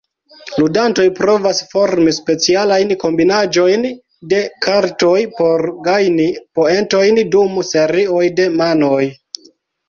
Ludantoj provas formi specialajn kombinaĵojn de kartoj por gajni poentojn dum serioj de manoj.